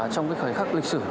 trong cái khởi khắc lịch sử